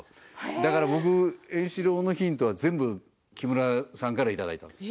だから僕、円四郎のヒントは全部木村さんからいただいたんです。